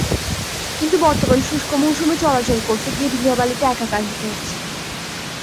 কিন্তু বর্তমান শুষ্ক মৌসুমে চলাচল করতে গিয়ে ধুলাবালুতে একাকার হতে হচ্ছে।